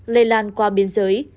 lây lan qua biên giới